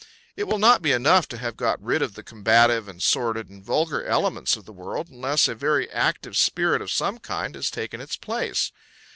It will not be enough to have got rid of the combative and sordid and vulgar elements of the world unless a very active spirit of some kind has taken its place.